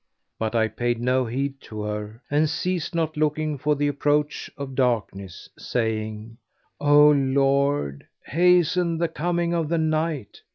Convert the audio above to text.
But I paid no heed to her and ceased not looking for the approach of darkness, saying, "O Lord, hasten the coming of the night!"